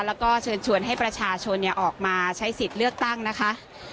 แล้วก็เชิญชวนให้ประชาชนออกมาใช้สิทธิ์เลือกตั้งนะคะ